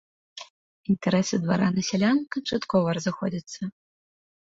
Інтарэсы дваран і сялян канчаткова разыходзяцца.